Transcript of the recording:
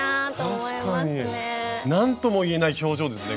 何とも言えない表情ですね